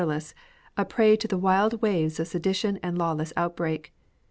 derless, a prey to the wild waves of sedition and law less outbreak.